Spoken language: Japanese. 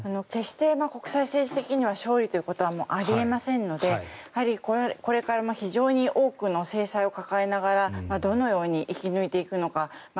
決して国際政治的には勝利ということはあり得ませんのでやはりこれから非常に多くの制裁を抱えながらどのように生き抜いていくのか。